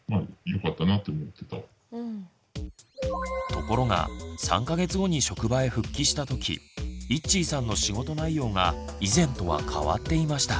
ところが３か月後に職場へ復帰した時いっちーさんの仕事内容が以前とは変わっていました。